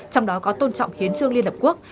trong đó có tôn trọng hiến trương liên hợp quốc